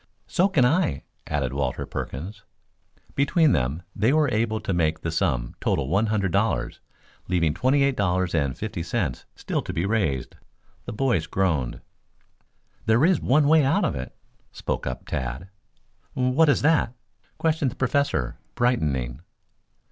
"So can I," added Walter Perkins. Between them they were able to make the sum total one hundred dollars, leaving twenty eight dollars and fifty cents still to be raised. The boys groaned. "There is one way out of it," spoke up Tad. "What is that?" questioned the Professor, brightening.